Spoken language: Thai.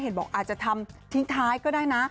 บอกอาจจะทำทิ้งท้ายก็ได้นะ